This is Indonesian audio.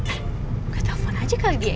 eh buka telepon aja kali dia ya